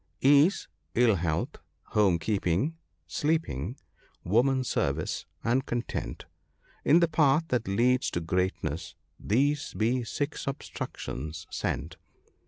4< Ease, ill health, home keeping, sleeping, woman service, and content — In the path that leads to greatness these be six obstructions sent."